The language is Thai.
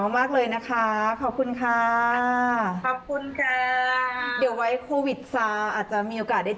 ขอบคุณมากขอบคุณมากขอบคุณค่ะ